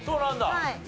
はい。